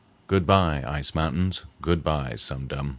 "Good bye, Ice Mountains; good bye, Sum Dum."